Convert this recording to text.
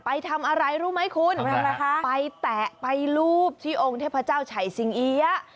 ไปทำอะไรรู้ไหมคุณไปแตะไปลูบที่องค์เทพเจ้าชัยซิงเอี๊ยะ